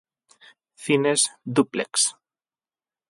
Cines Dúplex.